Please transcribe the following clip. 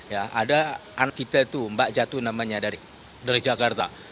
ya ada anak kita itu mbak jatuh namanya dari jakarta